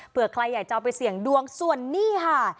เพื่อใครอยากจะเอาไปเสี่ยงดวงส่วนนี้ค่ะ